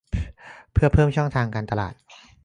เพื่อเพิ่มช่องทางการตลาด